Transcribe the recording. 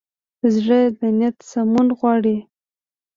زړه د نیت سمون غواړي.